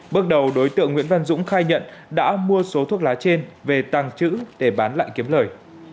bước đầu đối tượng nguyễn văn dũng khai nhận đã mua số thuốc lá trên về tàng trữ để bán lại kiếm lời